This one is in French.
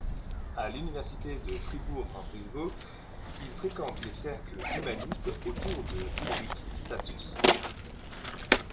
À l'université de Fribourg-en-Brisgau il fréquente les cercles humanistes autour de Ulrich Zasius.